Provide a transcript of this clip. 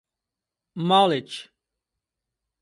Mallet